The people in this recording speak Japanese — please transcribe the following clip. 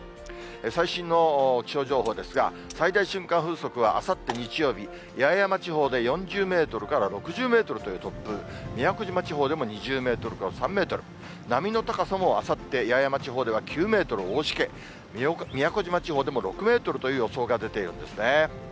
最新の気象情報ですが、最大瞬間風速はあさって日曜日、八重山地方で４０メートルから６０メートルという突風、宮古島地方でも２０メートルから３０メートル、波の高さもあさって、八重山地方では９メートル、大しけ、宮古島地方でも６メートルという予想が出てるんですね。